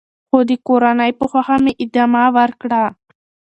خو د کورنۍ په خوښه مې ادامه ورکړه .